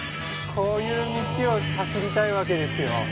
こういう道を走りたいわけですよ。